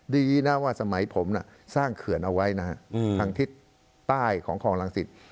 ดีนะว่าสมัยผมสร้างเขื่อนเอาไว้นะฮะทางทิศใต้ของคลองรังสิต